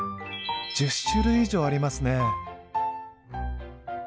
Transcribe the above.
１０種類以上ありますね。